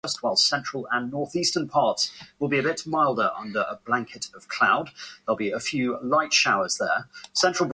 Carols tell of shepherds visited by angels, who meet baby Jesus in Bethlehem.